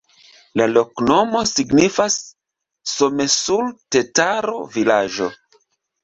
La loknomo signifas: Somesul-tataro-vilaĝo.